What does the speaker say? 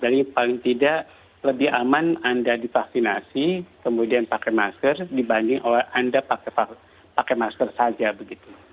jadi paling tidak lebih aman anda divaksinasi kemudian pakai masker dibanding anda pakai masker saja begitu